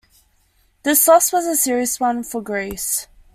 This loss was a serious one for Greece.